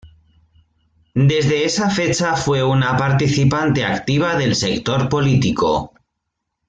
Desde esa fecha fue una participante activa del sector político.